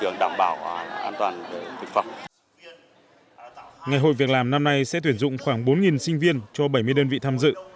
ngày hội việc làm năm nay sẽ tuyển dụng khoảng bốn sinh viên cho bảy mươi đơn vị tham dự